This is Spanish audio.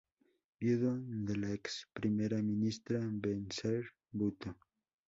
Viudo de la ex primera ministra Benazir Bhutto.